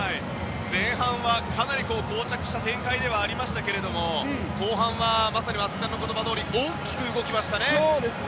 前半はかなりこう着した展開ではありましたが後半はまさに松木さんの言葉どおり大きく動きましたね。